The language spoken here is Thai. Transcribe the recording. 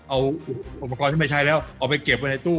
เอาอุปกรณ์ที่ไม่ใช้แล้วเอาไปเก็บไว้ในตู้